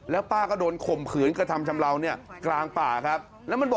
แล้วป้าก็โดนข่มขืนกระทำชำเลาเนี่ยกลางป่าครับ